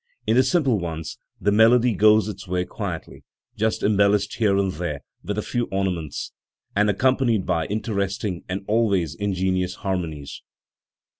In the simple ones the melody goes its way quietly, just embellished here and there with a few ornaments, and accompanied by interesting and always ingenious harmonies.